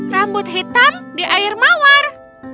rambut hitam di air mawar